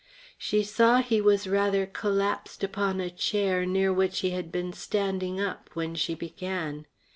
She saw he was rather collapsed upon a chair near which he had been standing up when she began.